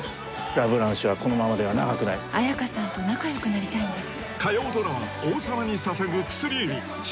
ラ・ブランシュはこのままでは長くない綾華さんと仲よくなりたいんです